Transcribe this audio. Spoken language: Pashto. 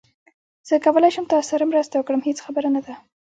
زه کولای شم تاسو سره مرسته وکړم، هیڅ خبره نه ده